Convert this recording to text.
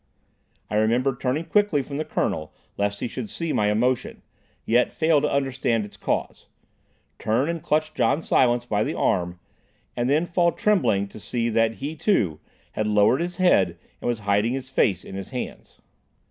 I remember turning quickly from the Colonel, lest he should see my emotion, yet fail to understand its cause, turn and clutch John Silence by the arm, and then fall trembling to see that he, too, had lowered his head and was hiding his face in his hands.